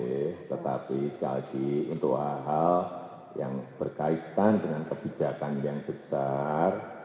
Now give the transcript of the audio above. oke tetapi sekali lagi untuk hal hal yang berkaitan dengan kebijakan yang besar